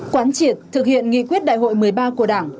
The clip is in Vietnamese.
quán triệt thực hiện nghị quyết đại hội một mươi ba của đảng